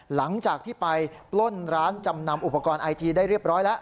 หลังจากที่ไปปล้นร้านจำนำอุปกรณ์ไอทีได้เรียบร้อยแล้ว